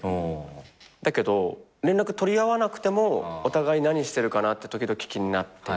だけど連絡取り合わなくてもお互い何してるかなって時々気になってて。